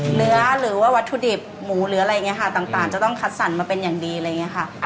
หรือว่าวัตถุดิบหมูหรืออะไรอย่างนี้ค่ะต่างจะต้องคัดสรรมาเป็นอย่างดีอะไรอย่างนี้ค่ะ